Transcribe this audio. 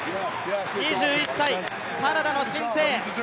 ２１歳、カナダの新星。